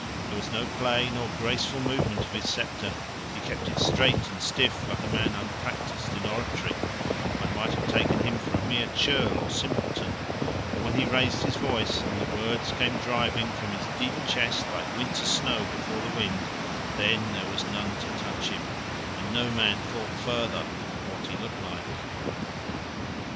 There was no play nor graceful movement of his sceptre; he kept it straight and stiff like a man unpractised in oratory—one might have taken him for a mere churl or simpleton; but when he raised his voice, and the words came driving from his deep chest like winter snow before the wind, then there was none to touch him, and no man thought further of what he looked like."